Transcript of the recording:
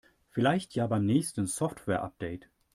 Vielleicht ja beim nächsten Softwareupdate.